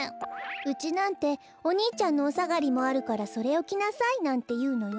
うちなんてお兄ちゃんのおさがりもあるからそれをきなさいなんていうのよ。